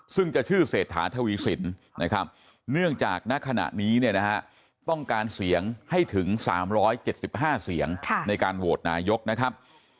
ซึ่งจะชื่อเศรษฐาทวีสินนะครับเนื่องจากณขณะนี้เนี่ยนะฮะต้องการเสียงให้ถึง๓๗๕เสียงในการโหวตนายกนะครับ